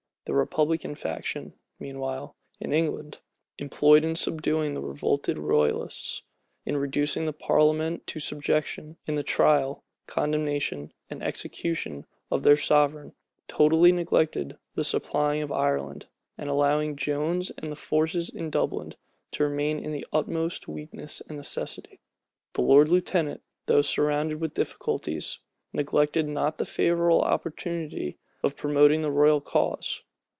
The republican faction, meanwhile, in England, employed in subduing the revolted royalists, in reducing the parliament to subjection, in the trial, condemnation, and execution of their sovereign, totally neglected the supplying of Ireland, and allowed Jones and the forces in Dublin to remain in the utmost weakness and necessity. The lord lieutenant, though surrounded with difficulties, neglected not the favorable opportunity of promoting the royal cause.